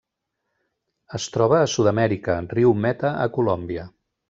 Es troba a Sud-amèrica: riu Meta a Colòmbia.